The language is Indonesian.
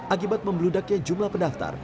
akibat membeludaknya jumlah pendaftar